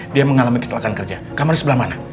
dia mengalami kesalahan kerja kamu ada sebelah mana